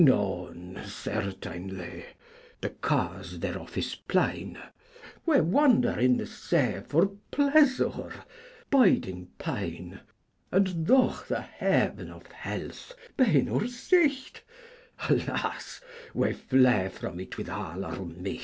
None certainly: The cause thereof is playne. We wander in the se for pleasour, bydynge payne, And though the haven of helth be in our syght Alas we fle from it with all our myght.